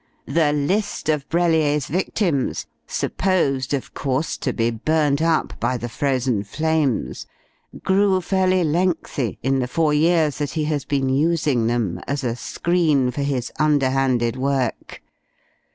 The list of Brellier's victims supposed, of course, to be burnt up by the Frozen Flames grew fairly lengthy in the four years that he has been using them as a screen for his underhanded work.